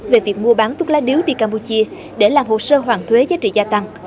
về việc mua bán thuốc lá điếu đi campuchia để làm hồ sơ hoàn thuế giá trị gia tăng